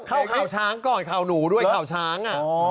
ข่าวช้างก่อนข่าวหนูด้วยข่าวช้าง